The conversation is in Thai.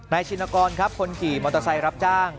ได้แล้วนะครับในชินกรคนขี่มอเตอร์ไซน์รับจ้าง